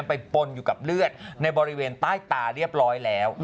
ไปปนอยู่กับเลือดในบริเวณใต้ตาเรียบร้อยแล้ว